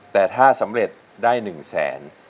แต่ถ้าสำเร็จได้๑แสน